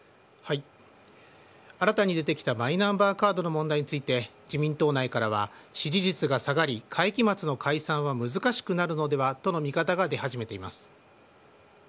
新たに出てきたマイナンバーカードの問題について、自民党内からは支持率が下がり、会期末の解散は難しくなるのではとの見方が出始めています。